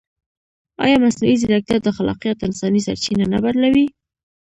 ایا مصنوعي ځیرکتیا د خلاقیت انساني سرچینه نه بدلوي؟